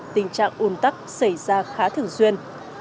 tình trạng ôn tắc xảy ra khá thường xuyên